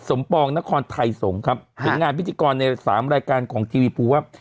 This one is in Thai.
สมปองนครไทยสงฯทีผิดงานพิจกรใน๓รายการที่ทีวีปู